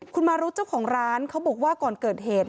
คุณมารุธเจ้าของร้านเขาบอกว่าก่อนเกิดเหตุ